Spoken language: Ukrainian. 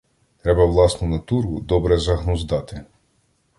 Треба власну натуру добре загнуздати.